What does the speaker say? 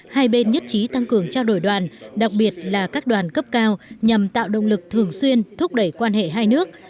hai bên nhất trí tăng cường trao đổi đoàn đặc biệt là các đoàn cấp cao nhằm tạo động lực thường xuyên thúc đẩy quan hệ hai nước